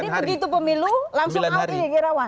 jadi begitu pemilu langsung angkuhi irawan